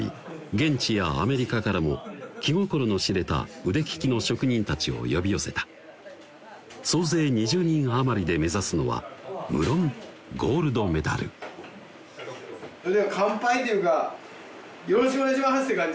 現地やアメリカからも気心の知れた腕利きの職人たちを呼び寄せた総勢２０人余りで目指すのはむろんゴールドメダルそれでは乾杯というかよろしくお願いしますって感じ